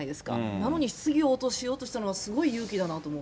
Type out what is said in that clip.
なのに質疑応答しようとしたのはすごい勇気だなと思って。